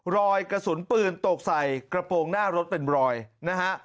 รอยกระสุนปืนตกใส่กระโปรงหน้ารถเป็นรอยนะฮะ